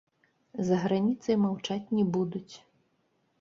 За граніцай маўчаць не будуць.